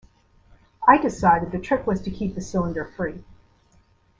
I decided the trick was to keep the cylinder free.